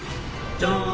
「じゃん」